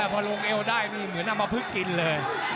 พอลงเอวได้นี่เหมือนเอามาพึกกินเลย